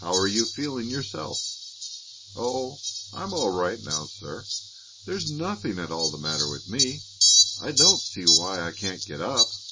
How are you feeling yourself?" "Oh, I'm all right now, sir. There's nothing at all the matter with me. I don't see why I can't get up."